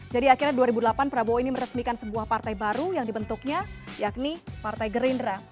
jadi akhirnya dua ribu delapan prabowo ini meresmikan sebuah partai baru yang dibentuknya yakni partai gerindra